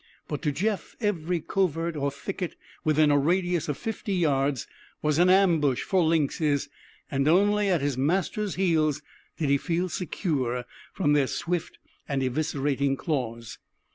But to Jeff every covert or thicket within a radius of fifty yards was an ambush for lynxes, and only at his master's heels did he feel secure from their swift and eviscerating claws.